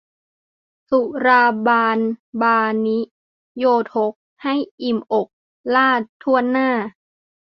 สุราบานบานิโยทก ให้อิ่มอกราษฎร์ถ้วนหน้า